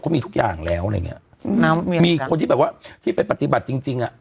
มีทุกอย่างแล้วอะไรอย่างเงี้ยอืมน้ำมีคนที่แบบว่าที่ไปปฏิบัติจริงจริงอ่ะ